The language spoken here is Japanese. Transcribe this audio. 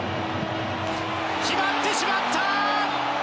決まってしまった！